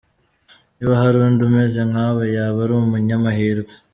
Niba hari undi umeze nkawe yaba ari umunyamahirwe.